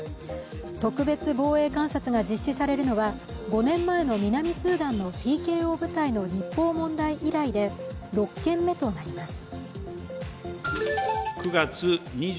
特別防衛監察が実施されるのは５年前の南スーダンのＰＫＯ部隊の日報問題以来で６件目となります。